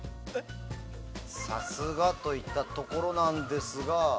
さすが！といったところなんですが。